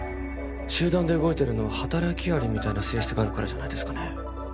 集団で動いてるのは働き蟻みたいな性質があるからじゃないですかね